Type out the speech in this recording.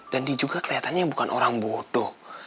dan dia juga keliatannya bukan orang bodoh